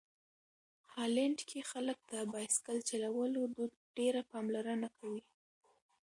هالنډ کې خلک د بایسکل چلولو دود ډېره پاملرنه کوي.